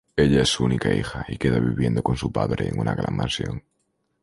Ella es única hija y queda viviendo con su padre en una gran mansión.